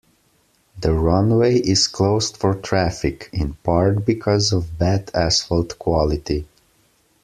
The runway is closed for traffic, in part because of bad asphalt quality.